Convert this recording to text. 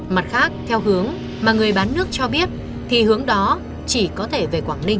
mặt khác theo hướng mà người bán nước cho biết thì hướng đó chỉ có thể về quảng ninh